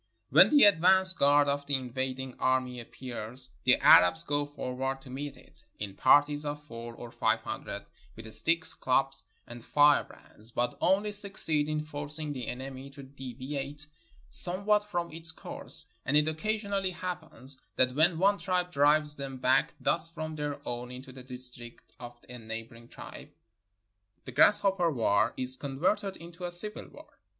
When the advance guard of the invading army appears the Arabs go forward to meet it, in parties of four or five hundred, with sticks, clubs, and firebrands, but only succeed in forcing the enemy to devaate somewhat from its course; and it occasionally happens that when one tribe drives them back thus from their own into the district of a neighboring tribe, the 324 ONE DAY IN MOROCCO grasshopper war is converted into a civil war.